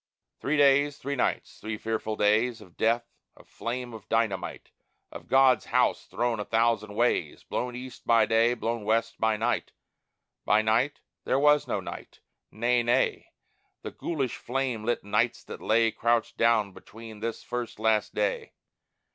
Three days, three nights, three fearful days Of death, of flame, of dynamite, Of God's house thrown a thousand ways; Blown east by day, blown west by night By night? There was no night. Nay, nay, The ghoulish flame lit nights that lay Crouched down between this first, last day.